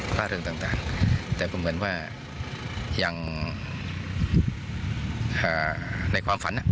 พลาดเรื่องต่างต่างแต่ผมเหมือนว่ายังอ่าในความฝันอ่ะ